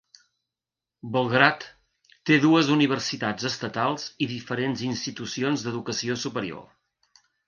Belgrad té dues universitats estatals i diferents institucions d'educació superior.